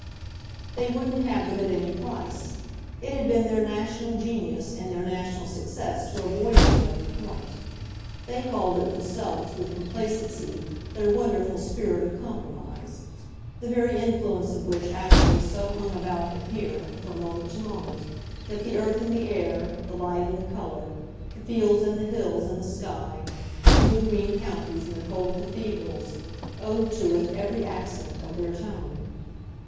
They wouldn't have them at any price; it had been their national genius and their national success to avoid them at every point. They called it themselves, with complacency, their wonderful spirit of compromise the very influence of which actually so hung about him here, from moment to moment, that the earth and the air, the light and the colour, the fields and the hills and the sky, the blue green counties and the cold cathedrals, owed to it every accent of their tone.